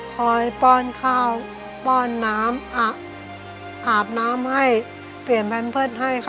ป้อนข้าวป้อนน้ำอาบน้ำให้เปลี่ยนแพมเพิร์ตให้ค่ะ